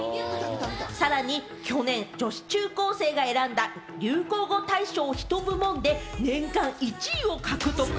さらに去年、女子中高生が選んだ流行語大賞ヒト部門で年間１位を獲得。